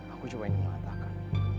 aku ingin mengatakan